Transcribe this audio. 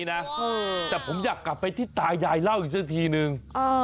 แต่ผมอยากกลับไปที่ตายายเล่าอีกสักทีนึง